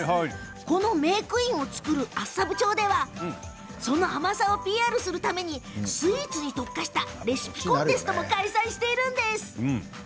このメークイーンを作る厚沢部町ではその甘さをＰＲするためにスイーツに特化したレシピコンテストも開催しているんです。